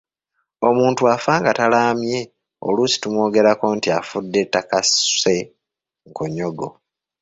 Omuntu afa nga talaamye oluusi tumwogerako nti afudde takasuse nkonyogo.